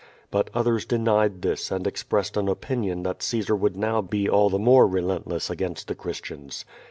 But others denied this and expressed an opinion that Caesar would now be all the more relentless against the Christians.